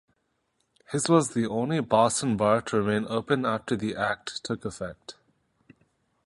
His was the only Boston bar to remain open after the act took effect.